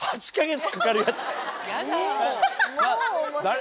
誰？